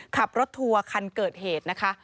ขับรถทัวร์คันเกิดเหตุนะคะ